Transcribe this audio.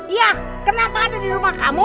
iya kenapa ada di rumah kamu